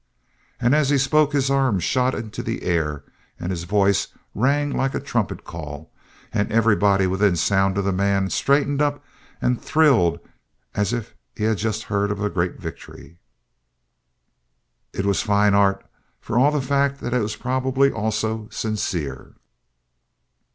'" And as he spoke his arm shot up into the air and his voice rang like a trumpet call, and everybody within sound of the man straightened up and thrilled as if he had just heard of a great victory. It was fine art for all the fact that it was probably also sincere.